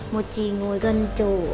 một chị ngồi gần chỗ